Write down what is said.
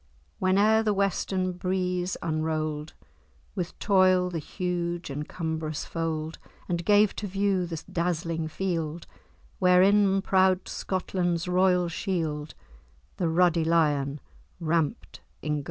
Whene'er the western breeze unroll'd, With toil, the huge and cumbrous fold, And gave to view the dazzling field, Where, in proud Scotland's royal shield, The ruddy lion ramp'd in gold."